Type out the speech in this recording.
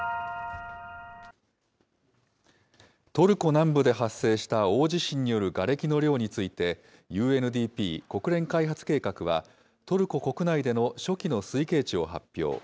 トルコ南部で発生した大地震によるがれきの量について、ＵＮＤＰ・国連開発計画は、トルコ国内での初期の推計値を発表。